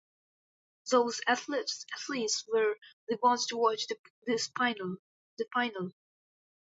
Those athletes were the ones to watch in the final.